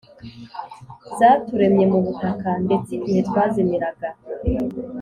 Zaturemye mu butaka, Ndets’ igihe twazimiraga